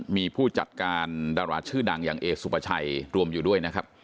มีผู้จัดการดาราชื่อดังอย่างเอสุปชัยรวมอยู่ด้วยนะครับ